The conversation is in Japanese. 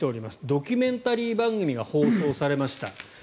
ドキュメンタリー番組が放送されました。